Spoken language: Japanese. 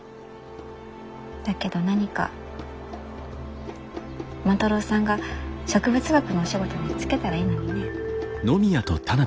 だけど何か万太郎さんが植物学のお仕事に就けたらいいのにね。